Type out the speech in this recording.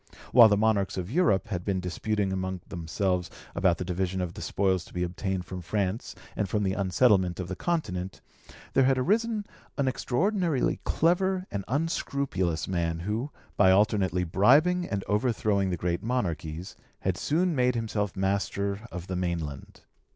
While the monarchs of Europe had been disputing among themselves about the division of the spoils to be obtained from France and from the unsettlement of the Continent, there had arisen an extraordinarily clever and unscrupulous man who, by alternately bribing and overthrowing the great monarchies, had soon made himself master of the mainland.